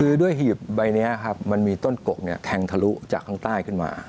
คือด้วยหีบใบนี้ครับมันมีต้นกกแทงทะลุจากข้างใต้ขึ้นมา